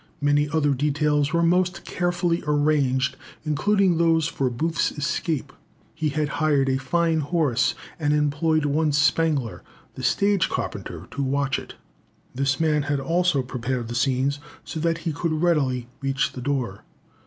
Many other details were most carefully arranged, including those for Booth's escape. He had hired a fine horse, and employed one Spangler, the stage carpenter, to watch it. This man had also prepared the scenes so that he could readily reach the door.